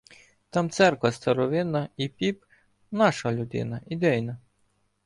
Там церква старовинна, і піп — наша людина, ідейна.